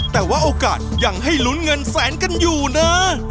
แต่ว่าโอกาสยังให้ลุ้นเงินแสนกันอยู่นะ